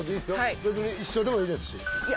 別に一緒でもいいですしいや